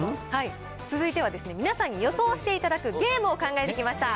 続いては皆さんに予想していただくゲームを考えてきました。